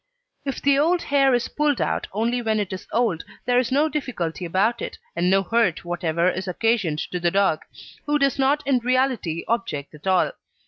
If the old hair is pulled out only when it is old, there is no difficulty about it, and no hurt whatever is occasioned to the dog, who does not in reality object at all.